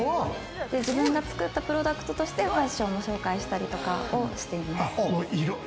自分が作ったプロダクトとして、ファッションを紹介したりとかをしています。